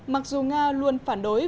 mặc dù nga luôn phản đối